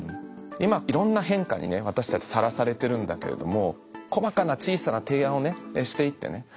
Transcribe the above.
今いろんな変化にね私たちさらされてるんだけれども細かな小さな提案をしていってね